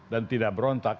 dan tidak berontak